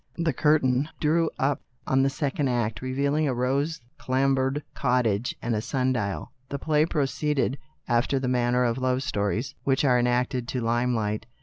The curtain drew up on the second act, revealing a rose clambered cottage and a sun dial. The play proceeded after the manner of love stories which are enacted to lime light.